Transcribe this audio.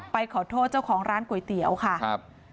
ไปขอโทษเจ้าของร้านก๋วยเตี๋ยวค่ะครับ